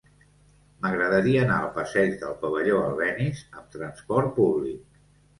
M'agradaria anar al passeig del Pavelló Albéniz amb trasport públic.